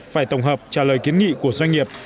phải tổng hợp trả lời kiến nghị của doanh nghiệp